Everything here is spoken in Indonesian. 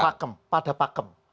pakem pada pakem